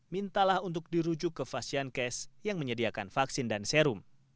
mintalah untuk dirujuk ke vaksin cash yang menyediakan vaksin dan serum